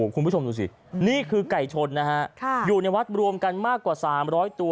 คุณผู้ชมดูสินี่คือไก่ชนนะฮะอยู่ในวัดรวมกันมากกว่า๓๐๐ตัว